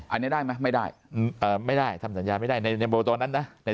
อันนี้ได้ไหมไม่ได้ไม่ได้ทำสัญญาไม่ได้ในโบตอนนั้นนะ